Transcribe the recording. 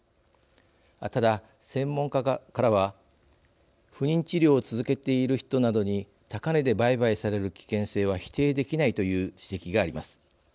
ただ専門家からは不妊治療を続けている人などに高値で売買される危険性は否定できないという指摘があります。